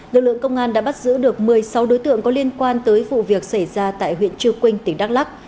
lực lượng công an đã bắt giữ được một mươi sáu đối tượng có liên quan tới vụ việc xảy ra tại huyện trư quynh tỉnh đắk lắc